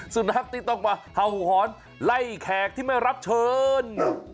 สุนักติดออกมาเห่าหวานไล่แขกที่ไม่รับเชิญ